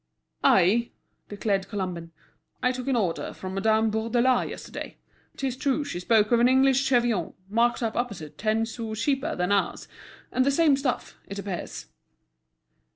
"I," declared Colomban, "I took an order from Madame Bourdelais yesterday. 'Tis true she spoke of an English cheviot marked up opposite ten sous cheaper than ours, and the same stuff, it appears."